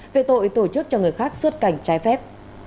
về tội tổ chức cho người khác xuất cảnh trái phép